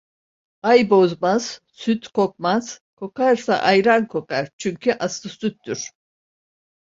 Ay bozmaz, süt kokmaz. Kokarsa ayran kokar, çünkü aslı süttür.